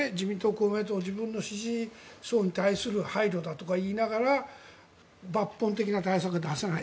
公明党は自分の支持層に対する配慮だとか言いながら抜本的な対策を出さない。